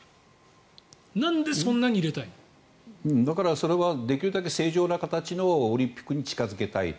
それはできるだけ正常な形のオリンピックに近付けたいと。